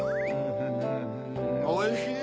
おいしい。